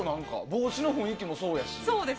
帽子の雰囲気もそうやし。